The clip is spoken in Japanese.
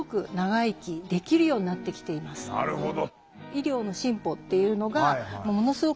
なるほど。